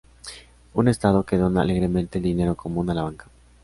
Un estado que dona alegremente el dinero común a la banca.